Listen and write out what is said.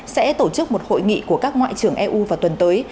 sẽ tổ chức một hội nghị của các ngoại trưởng eu vào tuần tới